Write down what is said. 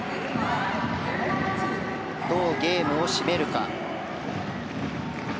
どうゲームを締めるか。